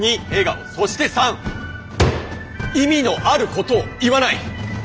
２笑顔そして３意味のあることを言わない！